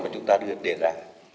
và chúng ta được đề ra